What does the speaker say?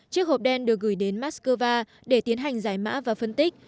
chiếc hộp đen được gửi đến moscow để tiến hành giải mã và phân tích